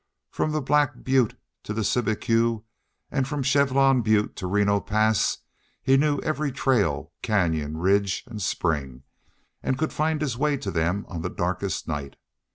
From Black Butte to the Cibique and from Chevelon Butte to Reno Pass he knew every trail, canyon, ridge, and spring, and could find his way to them on the darkest night.